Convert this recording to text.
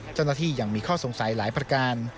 เจ้าหน้าที่ยังมีข้อสงสัยหลายประการ